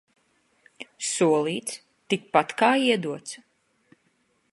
Solīts – tikpat kā iedots.